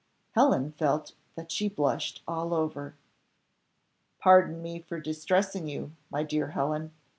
Helen felt that she blushed all over. "Pardon me for distressing you, my dear Helen.